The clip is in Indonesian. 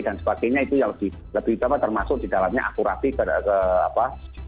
dan sebagainya itu yang lebih lebih termasuk di dalamnya akurasi ke apa